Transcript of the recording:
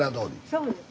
そうです。